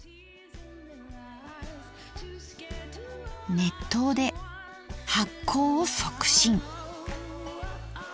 熱湯で発酵を促進。